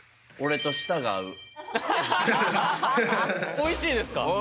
おいしいですか？